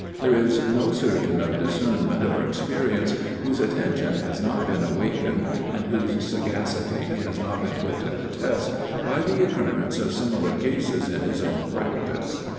There is no surgeon of discernment or experience whose attention has not been awakened, and whose sagacity has not been put to the test, by the occurrence of similar cases in his own practice.